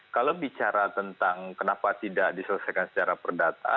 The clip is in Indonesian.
kalau bicara tentang kenapa tidak diselesaikan secara perdata